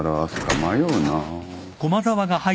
迷うな。